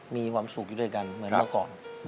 มีความสุขอยู่ด้วยกันเหมือนเมื่อก่อน